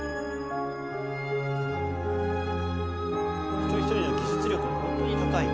一人一人の技術力もホントに高い。